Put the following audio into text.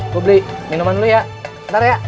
gue beli minuman dulu ya ntar ya